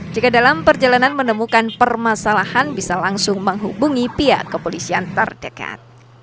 jika dalam perjalanan menemukan permasalahan bisa langsung menghubungi pihak kepolisian terdekat